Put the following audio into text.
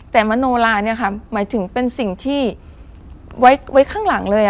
แต่มโนลาเนี่ยค่ะหมายถึงเป็นสิ่งที่ไว้ข้างหลังเลย